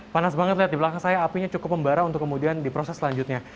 panas banget lihat di belakang saya apinya cukup membara untuk kemudian diproses selanjutnya